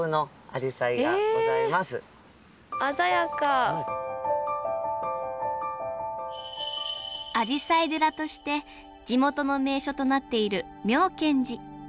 アジサイ寺として地元の名所となっている妙顕寺。